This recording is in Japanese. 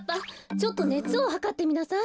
ちょっとねつをはかってみなさい。